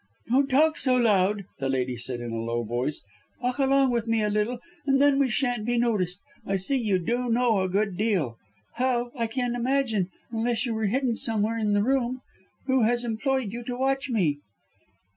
"Don't talk so loud," the lady said in a low voice. "Walk along with me a little and then we shan't be noticed. I see you do know a good deal how, I can't imagine, unless you were hidden somewhere in the room. Who has employed you to watch me?"